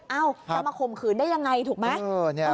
จะมาข่มขืนได้ยังไงถูกไหม